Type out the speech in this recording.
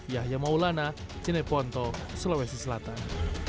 yahya maulana jeneponto sulawesi selatan